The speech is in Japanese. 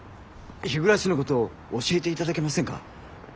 日暮のこと教えて頂けませんか？